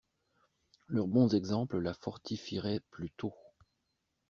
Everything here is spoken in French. Leurs bons exemples la fortifieraient plutôt.